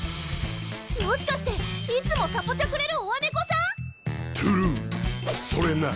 もしかしていつもサポチャくれるオアネコさん⁉Ｔｒｕｅそれな！